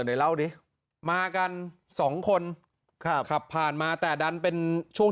ไหนเล่าดิมากันสองคนครับขับผ่านมาแต่ดันเป็นช่วง